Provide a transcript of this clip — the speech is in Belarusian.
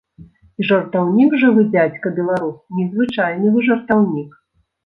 І жартаўнік жа вы, дзядзька беларус, незвычайны вы жартаўнік!